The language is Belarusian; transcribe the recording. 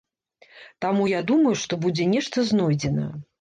Таму я думаю, што будзе нешта знойдзена.